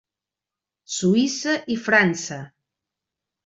Suïssa i França.